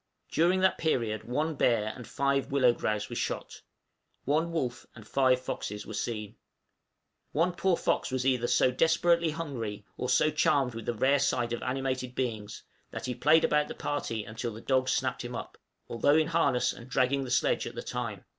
During that period one bear and five willow grouse were shot; one wolf and a few foxes were seen. One poor fox was either so desperately hungry, or so charmed with the rare sight of animated beings, that he played about the party until the dogs snapped him up, although in harness and dragging the sledge at the time.